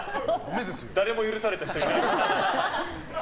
誰も許された人いないです。